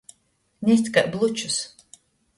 Nest kai blučus.